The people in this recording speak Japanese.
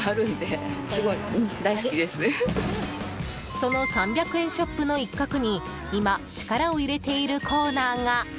その３００円ショップの一角に今、力を入れているコーナーが。